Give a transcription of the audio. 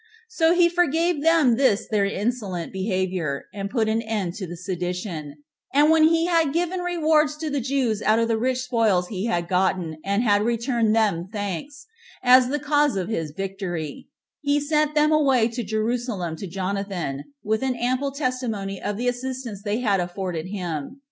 So he forgave them this their insolent behavior, and put an end to the sedition; and when he had given rewards to the Jews out of the rich spoils he had gotten, and had returned them thanks, as the cause of his victory, he sent them away to Jerusalem to Jonathan, with an ample testimony of the assistance they had afforded him.